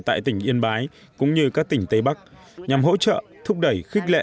tại tỉnh yên bái cũng như các tỉnh tây bắc nhằm hỗ trợ thúc đẩy khích lệ